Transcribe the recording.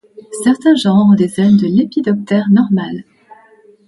Certains genres ont des ailes de lépidoptère normales.